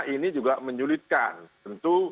ini juga menyulitkan tentu